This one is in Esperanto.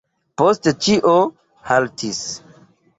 Poste ĉio haltis.